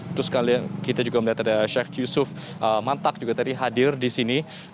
terus kita juga melihat ada syekh yusuf mantak juga tadi hadir di sini